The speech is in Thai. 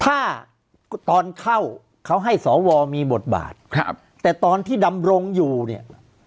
ถ้าตอนเข้าเขาให้สวมีบทบาทครับแต่ตอนที่ดำรงอยู่เนี่ย